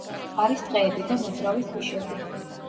არის ტყეები და მოძრავი ქვიშები.